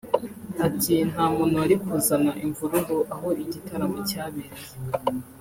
Ati “Nta muntu wari kuzana imvururu aho igitaramo cyabereye